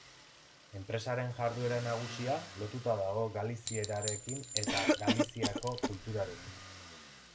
Enpresaren jarduera nagusia lotuta dago Galizierarekin eta Galiziako kulturarekin.